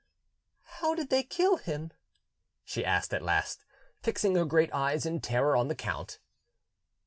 "How did they kill him?" she asked at last, fixing her great eyes in terror on the count.